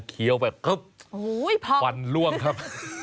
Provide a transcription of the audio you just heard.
เคี้ยวไปคึ๊บควันล่วงครับ